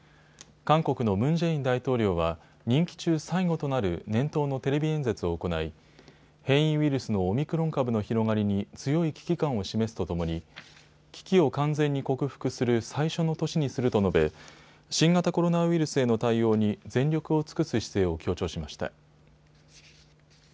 韓国のムン・ジェイン大統領は任期中最後となる年頭のテレビ演説を行い変異ウイルスのオミクロン株の広がりに強い危機感を示すとともに危機を完全に克服する最初の年にすると述べ新型コロナウイルスへの対応に全力を尽くす姿勢を強調しました。